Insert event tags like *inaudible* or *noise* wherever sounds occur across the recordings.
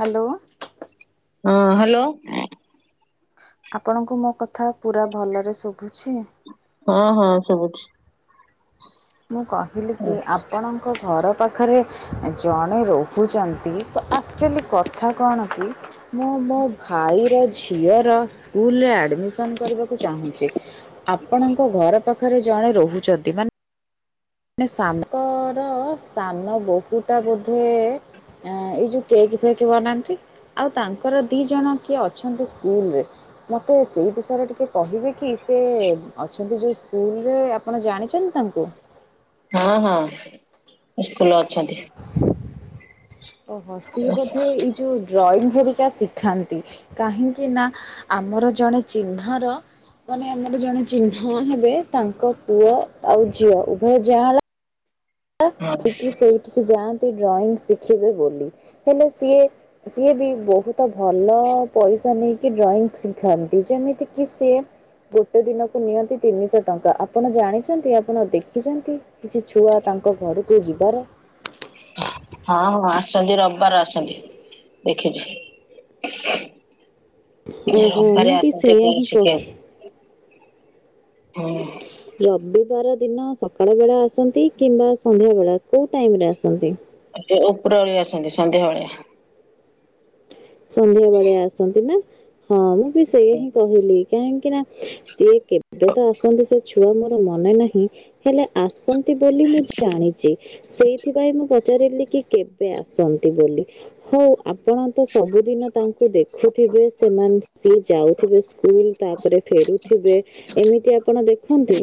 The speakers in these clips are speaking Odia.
ହ୍ୟାଲୋ। ହଁ ହ୍ୟାଲୋ। ଆପଣଙ୍କୁ ମୋ କଥା ପୁରା ଭଲରେ ଶୁଭୁଛି? ହଁ ହଁ ସୁବୁଚି। ମୁଁ କହିଲି କି ଆପଣଙ୍କ ଘର ପାଖରେ ଜଣେ ରହୁଛନ୍ତି ତ ଆକ୍ଚୁଆଲି କଥା କଣ କି ମୁଁ ମୋ ଭାଇର ଝିଅର ସ୍କୁଲରେ ଆଡ଼ମିସନ୍ କରିବାକୁ ଚାହୁଁଛି। ଆପଣଙ୍କ ଘର ପାଖରେ ଜଣେ ରହୁଛନ୍ତି ମାନେ ମାନେ ସାଙ୍କର ସାନ ବହୁଟା ବୋଧେ ଏଁ ଏ ଯଉ କେକ ଫେକ ବନାନ୍ତି ଆଉ ତାଙ୍କର ଦି ଜଣ କିଏ ଅଛନ୍ତି ସ୍କୁଲରେ। ମୋତେ ସେଇ ବିଷୟରେ ଟିକେ କହିବେ କି ସେ ଅଛନ୍ତି ଯଉ ସ୍କୁଲରେ ଆପ ଆପଣ ଜାଣିଛନ୍ତି ତାଙ୍କୁ? ହଁ ହଁ ସ୍କୁଲ ଅଛନ୍ତି। ଓହ ସିଏ ବୋଧେ ଏଇ ଯୋଉ ଡ୍ରଇଂ ଘରିକା ସିକି ଥାନ୍ତି କାହିଁକି ନା ଆମର ଜଣେ ଚିହ୍ନାର ମାନେ ଆମର ଜଣେ ଚିହ୍ନା ହେବେ ତାଙ୍କ ପୁଅ ଆଉ ଝିଅ ଉଭୟ ଯାଆଁଳା ହଁ ଠିକ କି ସେଇ କିଛି ଯାଆନ୍ତି ଡ୍ରଇଂ ଶିଖିବେ ବୋଲି ହେଲେ ସିଏ ସିଏ ବି ବହୁତ ତ ଭଲ ପଇସା ନେଇକି ଡ୍ରଇଂ ଶିଖାନ୍ତି ଯେମିତି କିି ସିଏ ଗୋଟେ ଦିନକୁ ନିଅନ୍ତି ତିନିହ ଟଙ୍କା ଆପଣ ଜାଣିଛନ୍ତି ଆପଣ ଦେଖିଛନ୍ତି? କିଛି ଛୁଆ ତାଙ୍କ ଘରକୁ ଯିବାର ହଁ ହଁ ଆସଛନ୍ତି ରବିବାର ଆସଛନ୍ତି। ଦେଖିଛି, ଓହୋ ମୁଁ ରବାରିଆ ବି ଆସନ୍ତି ସେଇୟା ଜିମ୍ ହିଁ କହି ସିକିବାକୁ ହଁ। ରବିବାର ଦିନ ସକାଳ ବେଳା ଆସନ୍ତି କିମ୍ବା ସନ୍ଧ୍ୟାବେଳ କୋଉ ଟାଇମରେ ଆସନ୍ତି? ଓପର ଓଳି ଆସନ୍ତି ସନ୍ଧ୍ୟାବେଳିଆ। ସନ୍ଧ୍ୟା ବେଳିଆ ଆସନ୍ତି ନା ହଁ ମୁଁ ବି ସେୟା ହିଁ କହିଲି କାହିଁକି ନା ସିଏ କେବେ ତ ଆସନ୍ତି ସେ ଛୁଆ ମୋର ମନେ ନାହିଁ ହେଲେ ଆସନ୍ତି ବୋଲି ମୁଁ ଜାଣିଛି। ସେଇଥିପାଇଁ ମୁଁ ପଚାରିଲି କି କେବେ ଆସନ୍ତି ବୋଲି ହଉ ଆପଣ ତ ସବୁଦିନ ତାଙ୍କୁ ଦେଖୁଥିବେ ସେମାନେ ସିଏ ଯାଉଥିବେ ସ୍କୁଲ ତାପରେ ଫେରୁଥିବେ ଏମିତି ଆପଣ ଦେଖନ୍ତି।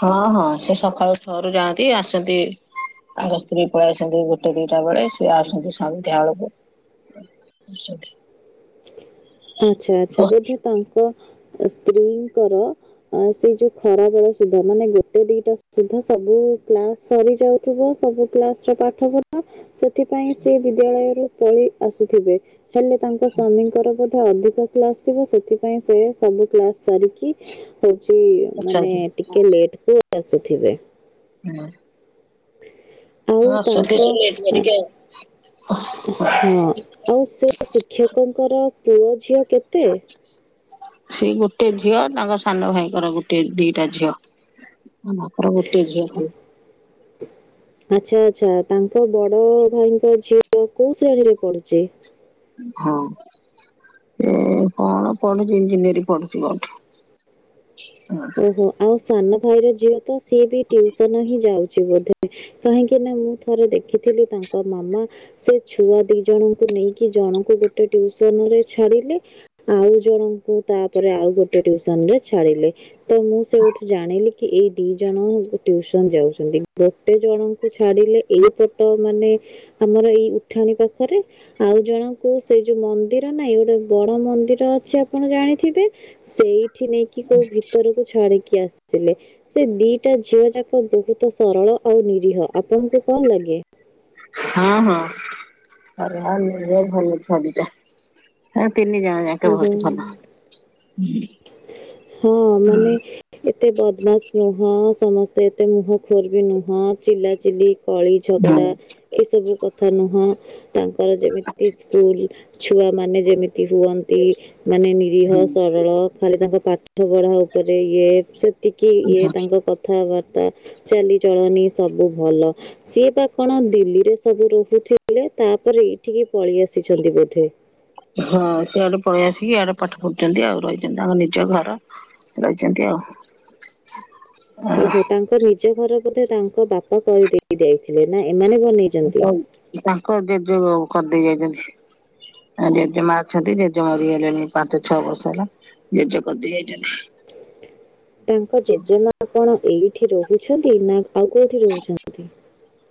ହଁ ହଁ ସେ ସକାଳୁ ଛ ରୁ ଯାଆନ୍ତି ଆସନ୍ତି ତାଙ୍କ ସ୍ତ୍ରୀ ପଳେଇ ଆସନ୍ତି ଗୋଟେ ଦିଟା ବେଳେ ସିଏ ଆସନ୍ତି ସନ୍ଧ୍ୟା ବେଳକୁ। *unintelligible* ଆଚ୍ଛା ହଁ ଆଛା ବୋଧେ ତାଙ୍କ ସ୍ତ୍ରୀଙ୍କର ସେଇ ଯୋଉ ଖରା ବେଳ ସୁଧା ମାନେ ଗୋଟେ ଦିଟା ସୁଧା ସବୁ କ୍ଲାସ ସରିଯାଉ ଥିବ ସବୁ କ୍ଲାସ ର ପାଠ ପଢ ସେଥିପାଇଁ ସେ ବିଦ୍ୟାଳୟରୁ ପଳେଇ ଆସୁଥିବେ ହେଲେ ତାଙ୍କ ସ୍ଵାମୀଙ୍କର ବୋ ତ ଅଧିକ କ୍ଲାସ ଥିବ ସେଥିପାଇଁ ସେ ସବୁ କ୍ଲାସ ସାରିକି ହଉଛି ମାନେ ଅଛନ୍ତି ଟିକେ ଲେଟ ରେ ଆସୁଥିବେ। ହୁଁ। ଆଉ ତାଙ୍କ ହ। ହଁ ଆଉ ସେ ଶିକ୍ଷକଙ୍କର ପୁଅ ଝିଅ କେତେ *unintelligible* ସେଇ ଗୋଟେ ଝିଅ ତାଙ୍କ ସାନ ଭାଇଙ୍କର ଗୋଟେ ଦିଟା ଝିଅ। ଆର ଗୋଟିଏ ଝିଅ ଖାଲି। ଆଚ୍ଛା ଆଚ୍ଛା ତାଙ୍କ ବଡ ଭାଇଙ୍କ ଝିଅ କୋଉ କୋଉ ଶ୍ରେଣୀରେ ପଢୁଛି? ହଁ ସେ କଣ ପଢୁଛି ଇଞ୍ଜିନିୟରିଂ ପଢୁଛି କଉଠି। ଓହୋ ଆଉ ସାନ ଭାଇର ଝିଅ ତ ସିଏ ବି ଟିଉସନ ହିଁ ଯାଉଛି ବୋଧେ। କାହିଁକି ନା ମୁଁ ଥରେ ଦେଖିଥିଲି ତାଙ୍କ ମାମା ସେ ଛୁଆ ଦି ଜଣଙ୍କୁ ନେଇକି ଜଣଙ୍କୁ ଗୋଟେ ଟିଉସନ ରେ ଛାଡିଲେ ଆଉ ଜଣଙ୍କୁ ତାପରେ ଆଉ ଗୋଟେ ଟୁଉସନ ରେ ଛାଡିଲେ ତ ମୁଁ ସେଉଠୁ ଜାଣିଲି କି ଏଇ ଦି ଜଣ ଟଉସନ ଯାଉଛନ୍ତି ଗୋଟେ ଜଣଙ୍କୁ ଛାଡିଲେ ଏଇପଟ ମାନେ ଆମର ଏଇ ଉଠାଣି ପାଖରେ। ଆଉ ଜଣଙ୍କୁ ସେଇ ଯୋଉ ମନ୍ଦିର ନାଇଁ ଗୋଟେ ବଡ ମନ୍ଦିର ଅଛି ଆପଣ ଜାଣିଥିବେ ସେଇଠି ନେଇକି କୋଉ ଭିତରକୁ ଛାଡିକି ଆସିଥିଲେ। ସେ ଦିଟା ଝିଅ ଯାକ ବହୁତ ସରଳ ଆଉ ନିରୀହ ଆପଣଙ୍କୁ କଣ ଲାଗେ? ହଁ ହଁ ସରଳ ନିରୀହ ଭଲ ଛୁଆ ଦି ଟା। ହଁ ତିନି ଜଣ ଯା ହୁଁ ହୁଁ ହଁ ମାନେ ଏତେ ବଦମାସ ନୁହଁ, ସମସ୍ତେ ଏତେ ମୁହଁ ଖୋର ବି ନୁହଁ, ଚିଲା ଚିଲି କଳି ହୁଁ ଝଗଡା ଏସବୁ କଥା ନୁହଁ, ତାଙ୍କର ଯେମିତି ସ୍କୁଲ ଛୁଆ ମାନେ ଯେମିତି ହୁଅ ନ୍ତି, ମାନେ ନିରୀହ ହୁଁ। ସରଳ ଖାଲି ତାଙ୍କ ପାଠ ପଢା ଉପରେ ଇଏ ସେ ଏତିକି ଇଏ ତାଙ୍କ କଥାବାର୍ତ୍ତା, ଚାଲିଚଳନି ସବୁ ଭଲ। ସିଏ ପା କଣ ଦିଲ୍ଲୀରେ ସବୁ ରହୁଥିଲେ, ତାପରେ ଏଇଠିକି ପଳେଇ ଆସିଛନ୍ତି ବୋଧେ? ହଁ ସେଆଡେ ପଳେଇ ଆସିକି ଇଆଡେ ପାଠ ପଢୁଛନ୍ତି ଆଉ ରହିଛନ୍ତି ତାଙ୍କ ନିଜ ଘର। ରଇଛନ୍ତି ଆଉ। ଓହୋ ତାଙ୍କ ନିଜ ଘର ବୋଧେ ତାଙ୍କ ବାପା କରିଦେଇ ଯାଇଥିଲେ ନା ଏମାନେ ବ ତାଙ୍କ ଜେଜ କରିଦେଇ ଯାଇଛନ୍ତି। ଆ ଜେଜେମା ଅଛନ୍ତି ଜେଜେ ମରିଗଲେଣି ପାଞ୍ଚ ଛଅ ବର୍ଷ ହେଲା ଜେଜେ କରିଦି ଯାଇଛନ୍ତି। ତାଙ୍କ ଜେଜେମା କଣ ଏଇଠି ରହୁଛନ୍ତି ନା ଆଉ କୋଉଠି ରହୁଛନ୍ତି?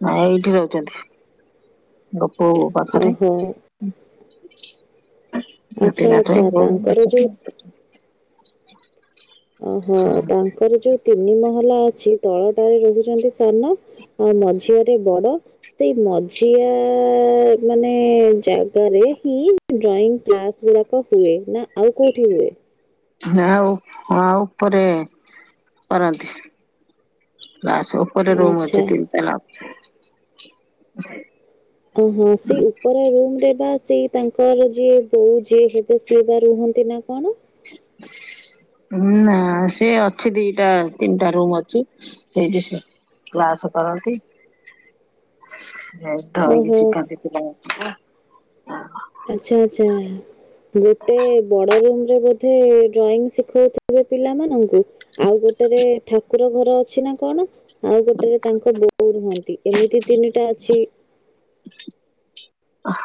ନାଇଁ ଏଇଠି ରହୁଛନ୍ତି ତାଙ୍କ ପୁଅବହୁ ପାଖରେ। ଓହୋ ଆଚ୍ଛା ନାତି ଆଚ୍ଛା ନାତୁଣୀ ବଉ ତାଙ୍କର ଯୋଉ ଅଛନ୍ତି। ଓହୋ ତାଙ୍କର ଯୋଉ ତିନି ମହଲା ଅଛି ତଳଟାରେ ରହୁଛନ୍ତି ସାନ ଆଉ ମଝିଆରେ ବଡ ସେଇ ମଝିଆ ମାନେ ଜାଗାରେ ହିଁ ଡ୍ରଇଂ କ୍ଲାସ ଗୁଡାକ ହୁଏ ନା ଆଉ କୋଉଠି ହୁଏ? ନା ଆଉ ହ ଆଉ ଉପରେ କରନ୍ତି। କ୍ଲାସ ଉପରେ ରୁମ୍ ଆଚ୍ଛା ଅଛିତି *unintelligible* ଓହଁ ସେଇ ଉପର ରୁମରେ ବା ସେଇ ତାଙ୍କର ଯିଏ ବୋଉ ଯିଏ ହେବେ ସିଏ ବା ରୁହନ୍ତି ନା କଣ? *inaudible* ହୁଁ ନା ସିଏ ଅଛି ଦିଟା ତିନିଟା ରୁମ ଅଛି ସେଇଠି ସେ କ୍ଲାସ କରନ୍ତି *unintelligible* ଧଇକି ଓହୋ ଶିଖାନ୍ତି *unintelligible* ଆଚ୍ଛା ଆଚ୍ଛା। ଗୋଟେ ବଡ ରୁମରେ ବୋଧେ ଡ୍ରଇଂ ଶିଖାଉଥିବେ ପିଲାମାନଙ୍କୁ ଆଉ ଗୋଟେରେ ଠାକୁର ଘର ଅଛି ନା କଣ ଆଉ ଗୋଟେରେ ତାଙ୍କ ବୋଉ ରୁହନ୍ତି ଏମିତି ତିନିଟା ଅଛି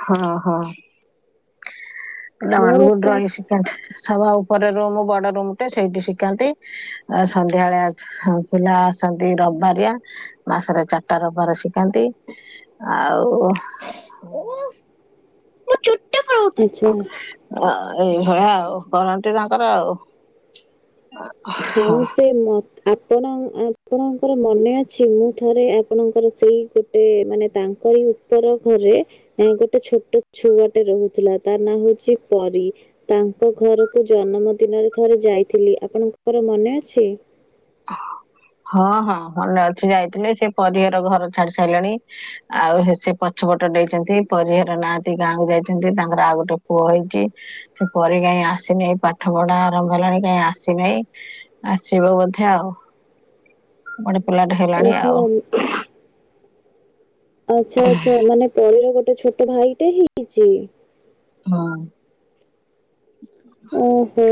ହଁ ହଁ। ଡ୍ରଇଁ ମୋର ତ ଡ୍ରଇଂ ଶିଖାନ୍ତି ସଭା ଉପରେ ରୁମ୍ ବଡ ରୁମଟେ ସେଇଠି ଶିଖାନ୍ତି। ସନ୍ଧ୍ୟାବେଳେ ପିଲା ଆସନ୍ତି ରବିବାରିଆ ମାସରେ ଚାରିଟା ରିବାର ଶିଖାନ୍ତି ଆଉ। ମୁଁ ଛୁଟି ପଳଉଛି ଆଚ୍ଛା ଅ ଏଇଭଳିଆ ଆଉ କରନ୍ତି ତାଙ୍କର ଆଉ। ହଁ ହଉ ସେ ମତ ଆପଣ ଆପଣଙ୍କର ମନେ ଅଛି ମୁଁ ଥରେ ଆପଣଙ୍କର ସେଇ ଗୋ ଗୋଟେ ମାନେ ତାଙ୍କରି ଉପର ଘରେ ଗୋଟେ ଛୋଟ ଛୁଆଟେ ରହୁଥିଲା ତାର ନାଁ ହଉଛି ପରୀ। ତାଙ୍କ ଘରକୁ ଜନ୍ମ ଦିନରେ ଥରେ ଯାଇଥିଲି ଆପଣଙ୍କର ମନେ ଅଛି। ହଁ ହଁ ମନେ ଅଛି ଯାଇଥିଲେ ସେ ପରିଘର ଘର ଛାଡି ସାରିଲେଣି। ଆଉ ସେ ପଛପଟ ଦେଇଛନ୍ତି ପରିହର ନାହାତି ଗାଁକୁ ଯାଇଛନ୍ତି ତାଙ୍କର ଆଉ ଗୋଟେ ପୁଅ ହେଇଛି। ସେପରି କାଇଁ ଆସିନେଇ ପାଠ ପଢା ଆରମ୍ଭ ହେଲାଣି କାଇହିଁ ଆସିନେଇ ଆସିବ ବୋଧେ ହେଉ ଗୋଟେ ପିଲାଟେ ହେଲାଣି ଓହୋ ଆଉ। ଆଚ୍ଛା ଆଚ୍ଛା ମାନେ ପରିର ଗୋଟେ ଛୋଟ ଭାଇଟେ ହେଇଛି ସେ ହଁ। ଓହୋ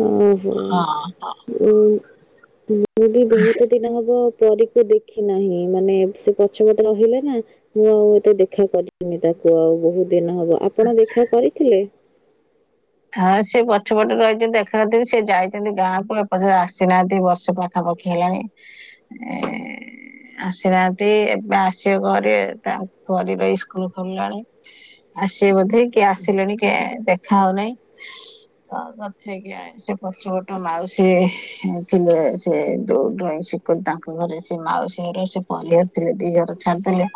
ହଁହୋ ହଁ। ହଁ ଉ ମୁଁ ବି ବହୁତ ଦିନ ହବ ପରୀକୁ ଦେଖି ନାହିଁ ମାନେ ସେ ପଛ ପଟେ ରହିଲେ ନା। ମୁଁ ଆଉ ଏତେ ଦେଖା କରିିବିନି ତାକୁ ଆଉ ବହୁତ ଦିନ ହବ ଆପଣ ଦେଖା କରିଥିଲେ। ହଁ ସେ ପଛ ପଟେ ରହିଛନ୍ତି ଦେଖାକରିଥିଲି ସେ ଯାଇଛନ୍ତି ଗାଁକୁ ଏପର୍ଯ୍ୟନ୍ତ ଆସିନାହାନ୍ତି ବର୍ଷ ପା ଖାମ ଖିଆ ହେଲାଣି ଏ ଆସିନାହାନ୍ତି ଏବେ ଆସିବେ କଣ କରିବେ ତା ପରିର ର ସ୍କୁଲ ଖୋଲିଲାଣି। ଆସିବେ ବୋଧେ କି ଆସିଲେଣି କେୟାଣି ଦେଖା ହେଉନାହିଁ। ତ କଥା ହେଇକି ଆସେ ସେ ପଛପଟ ମାଉସୀ ଥିଲେ ସେ ଡ୍ରଇଂ ଶିଖନ୍ତି ତାଙ୍କ ଘରେ ସେ ମାଉସୀ ଘରେ ସେ କହିଲେ ଥିଲେ ଦିଅର ଛାଣିଥିଲେ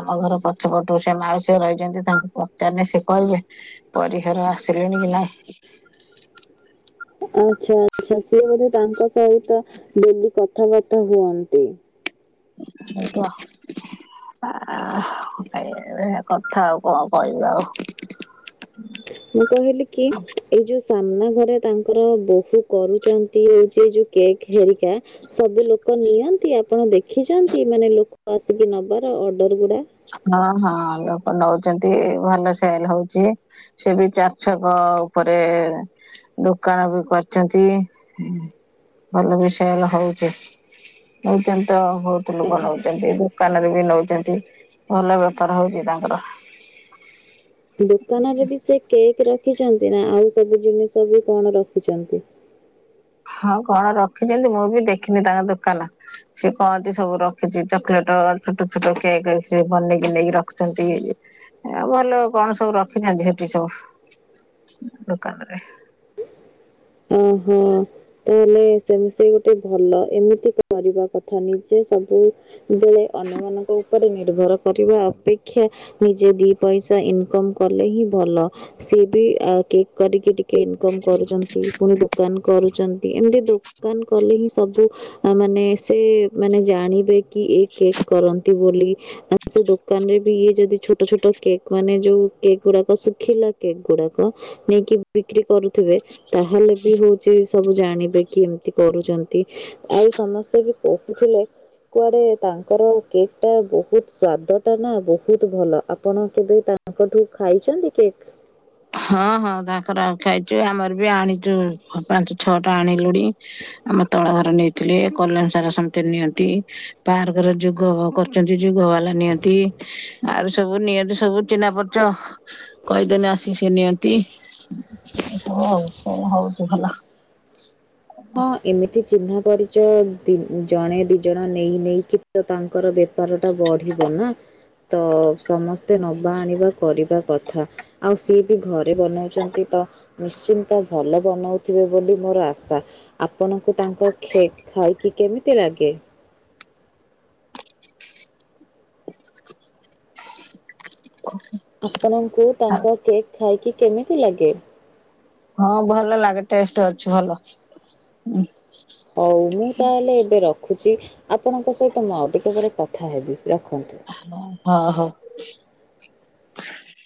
ଆମ ଘର ପଛ ପଟୁ ସେ ମାଉସୀ ରହିଛନ୍ତି ତାଙ୍କୁ ପଚାରିଲେ ସେ କହିବେ? ପରି ଘର ଆସିଲେଣି କି ନାଇଁ? ଆଚ୍ଛା ଆଚ୍ଛା ସିଏ ବୋଧେ ତାଙ୍କ ସହିତ ଡେଲି କଥାବାର୍ତ୍ତା ହୁଅନ୍ତି। *unintelligible* ଏଇ ଭଳିଆ କଥା ଆଉ କଣ କହିବି ଆଉ? ମୁଁ କହିଲି କି ଏଇ ଯୋଉ ସାମ୍ନା ଘରେ ତାଙ୍କର ବୋହୂ କରୁଛନ୍ତି ଏଇ ଯୋଉ କେକ୍ ହେରିକା। ସବୁ ଲୋକ ନିଅନ୍ତି ଆପଣ ଦେଖିଛନ୍ତି ମାନେ ଲୋକ ଆସିକି ନବାର ଅର୍ଡର ଗୁଡା? ହଁ ହଁ ଲୋକ ନଉଛନ୍ତି ଭଲ ସେଲ୍ ହଉଛି। ସେ ବି ଚାରଛକ ଉପରେ ଦୋକାନ ବି କରିଛନ୍ତି ଭଲ ବି ସେଲ୍ ହଉଛି। *unintelligible* ଲୋକ ନଉଛନ୍ତି ଦୋକାନରେ ବି ନଉଛନ୍ତି ଭଲ ବେପାର ହଉଛି ତାଙ୍କର। ଦୋକାନରେ ବି ସେ କେକ୍ ରଖିଛନ୍ତି ନା ଆଉ ସବୁ ଜିନିଷ ବି କଣ ରଖିଛନ୍ତି? ହଁ କଣ ରଖିଛନ୍ତି ମୁଁ ବି ଦେଖିନି ତାଙ୍କ ଦୋକାନ? ସେ କହନ୍ତି ସବୁ ରଖିଛି ଚକେଲେଟ ଛୋଟ ଛୋଟ କେକ୍ ସେ ବନେଇକି ନେଇକି ରଖିଛନ୍ତି। ଆଉ ଭଲ କଣ ସବୁ ରଖିଥାନ୍ତି ସେଠି ସବୁ ଦୋକାନରେ? ଓହୋ। ତାହାଲେ ସେ ସେ ଗୋଟେ ଭଲ ଏମିତି କରିବା କଥା ନିଜେ ସବୁ ବେଳେ ଅନ୍ୟମାନଙ୍କ ଉପରେ ନିର୍ଭର କରିବା ଅପେକ୍ଷା ନିଜେ ଦି ପଇସା ଇନକମ କଲେ ହିଁ ଭଲ ସିଏ ବି କେକ୍ କରିକି ଟିକେ କି ଇନକମ କରୁଛନ୍ତି ପୁଣି ଦୋକାନ କରୁଚ ଏମିତି ଦୋକାନ କଲେ ହିଁ ସବୁ ମାନେ ସେ ମାନେ ଜାଣିବେ। କି ଏଇ କେକ୍ କରନ୍ତି ବୋଲି ସେ ଦୋକାନରେ ଇଏ ଯଦି ଛୋଟ ଛୋଟ କେକ୍ ମାନେ ଯୋଉ କେକ୍ ଗୁଡାକ ଶୁଖିଲା କେକ୍ ଗୁଡାକ ନେଇକି ବିକ୍ରି କରୁଥିବେ ତାହେଲେ ବି ହଉଛି ସବୁ ଜାଣିବେ କି ଏମିତି କରୁଛ ଆଉ ସମସ୍ତେ ବି କହୁଥିଲେ କୁଆଡେ ତାଙ୍କର କେକ୍ ଟା ବହୁତ ସ୍ଵାଦଟା ନା ବହୁତ ଭଲ ଆପଣ କେବେ ତା ତାଙ୍କଠୁ ଖାଇଛନ୍ତି କେକ୍? ହଁ ହଁ ତାଙ୍କର ଖାଇଛୁ ଆମର ବି ଆଣିଛୁ ପାଞ୍ଚ ଛଅଟା ଆଣିଲୁଣି। ଆମ ତଳ ଘର ନେଇଥିଲେ କଲୋନୀ ସାରା ସମସ୍ତ ନିଅନ୍ତି ବହାରଘର ଯୁଗ କରି ଯଦି ଯୋଗ ବାଲା ନିଅନ୍ତି ଆଉ ସବୁ ନିଅନ୍ତି ସବୁ ଚିହ୍ନା ପରିଚ କହିଦେନେ ଆସିକି ଜିନିଷ ନିଅନ୍ତି। ହଁ ଏମିତି ଚିହ୍ନା ପରିଚ ଜଣେ ଦି ଜଣ ନେଇ ନେଇ କି। ତ ତାଙ୍କର ବେପାର ଟା ବଢିବ ନା ତ ସମସ୍ତେ ନବା ଆଣିବା କରିବା କଥା ଆଉ ସିଏ ବି ଘରେ ବନାଉଛନ୍ତି ତ ନିଶ୍ଚିନ୍ତ ଭଲ ବନଉଥିବେ ବୋଲି ମୋର ଆଶା ଆପଣଙ୍କୁ ତାଙ୍କ ଖେଖାଇ କି କେମିତି ଲାଗେ? ଓହୋଃ! ଆପଣଙ୍କୁ ତାଙ୍କ କେକ୍ ଖାଇକି କେମିତି ଲାଗେ? ହଁ ଭଲ ଲାଗେ ଟେଷ୍ଟ ଅଛି ଭଲ। ହଉ ମୁଁ ତାହେଲେ ଏବେ ରଖୁଛି ଆପଣଙ୍କ ସହିତ ମୁଁ ଆଉ ଟିକେ ବୋଟ କଥା ହେବି ରଖନ୍ତୁ। ହ ହୋଉ।